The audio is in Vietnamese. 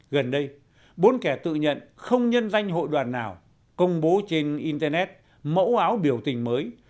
gần đây bốn kẻ tự nhận không nhân danh hội đoàn nào công bố trên internet mẫu áo biểu tình mới